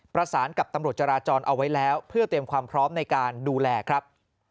ประสานกับตำรวจจราจรเอาไว้แล้วเพื่อเตรียมความพร้อมในการดูแลครับ